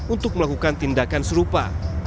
untuk melakukan tindakan serupa